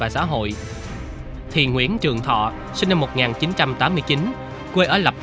sau phiên tòa này